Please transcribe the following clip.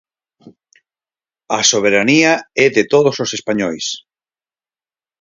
A soberanía é de todos os españois.